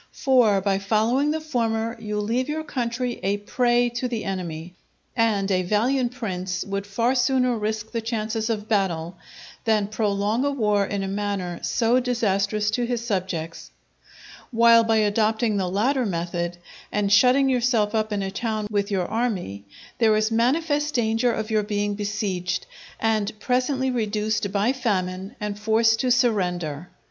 For by following the former, you leave your country a prey to the enemy, and a valiant prince would far sooner risk the chances of battle than prolong a war in a manner so disastrous to his subjects; while by adopting the latter method, and shutting yourself up in a town with your army, there is manifest danger of your being besieged, and presently reduced by famine and forced to surrender.